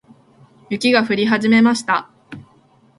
雪が降り始めました。